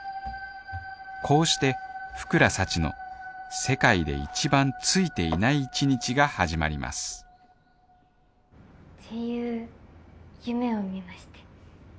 こうして福良幸の世界で一番「ついていない」１日が始まりますっていう夢を見まして。